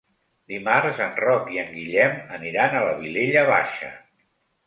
Dimarts en Roc i en Guillem aniran a la Vilella Baixa.